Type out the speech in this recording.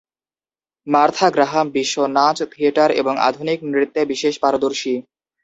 Martha Graham বিশ্ব নাচ, theatre এবং আধুনিক নৃত্যে বিশেষ পারদর্শী।